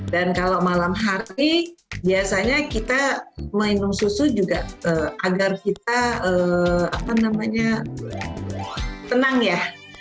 kalau malam hari biasanya kita minum susu juga agar kita tenang ya